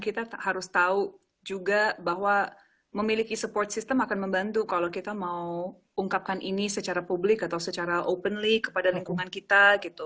kita harus tahu juga bahwa memiliki support system akan membantu kalau kita mau ungkapkan ini secara publik atau secara openly kepada lingkungan kita gitu